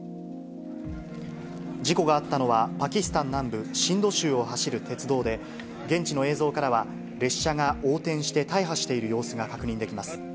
事故があったのは、パキスタン南部シンド州を走る鉄道で、現地の映像からは、列車が横転して大破している様子が確認できます。